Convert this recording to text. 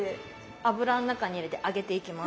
油の中に入れて揚げていきます。